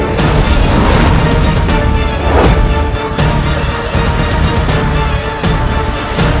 kau tidak akan sanggap